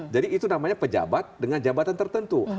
jadi itu namanya pejabat dengan jabatan tertentu